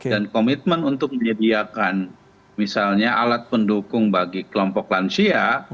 dan komitmen untuk menyediakan misalnya alat pendukung bagi kelompok lansia